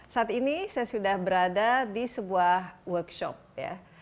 saat ini saya sudah berada di sebuah workshop ya